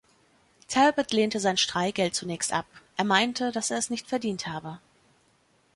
Talbot lehnte sein Streikgeld zunächst ab. Er meinte, dass er es nicht verdient habe.